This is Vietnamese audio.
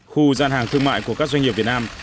khu gian hàng thương mại của các doanh nghiệp việt nam